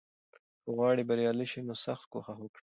که غواړې بریالی شې، نو سخت کوښښ وکړه.